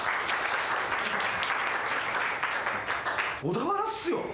・小田原っすよ。